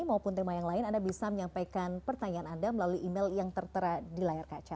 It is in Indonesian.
maupun tema yang lain anda bisa menyampaikan pertanyaan anda melalui email yang tertera di layar kaca